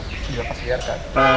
apa yang dilakukan